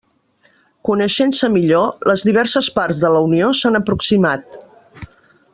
Coneixent-se millor, les diverses parts de la Unió s'han aproximat.